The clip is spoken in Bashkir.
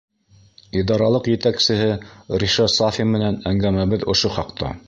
Идаралыҡ етәксеһе Ришат САФИН менән әңгәмәбеҙ ошо хаҡта.